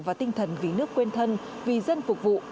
và tinh thần vì nước quên thân vì dân phục vụ